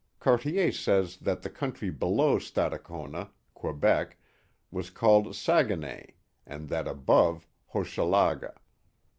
Cartier says that the country below Stadacona (Quebec) was called Saguenay, and that above, Hochelaga.